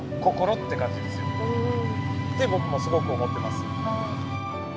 って僕もすごく思ってます。